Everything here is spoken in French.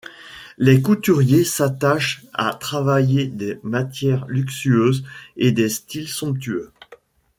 Les couturiers s'attachent à travailler des matières luxueuses et des styles somptueux.